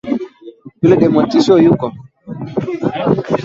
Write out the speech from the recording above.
Ligi ya Mabingwa Afrika elfu mbili na kumi na saba Wydad Athletic Club